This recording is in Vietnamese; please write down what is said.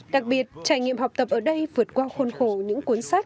đặc biệt trải nghiệm học tập ở đây vượt qua khôn khổ những cuốn sách